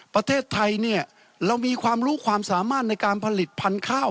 ประเทศไทยเนี่ยเรามีความรู้ความสามารถในการผลิตพันธุ์ข้าว